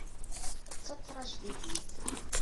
D tatrajdidit.